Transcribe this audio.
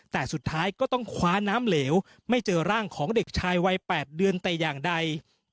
แต่สุดท้ายก็ต้องคว้าน้ำเหลวไม่เจอร่างของเด็กชายวัย๘เดือนแต่อย่างใด